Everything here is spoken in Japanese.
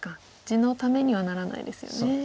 地のためにはならないですよね。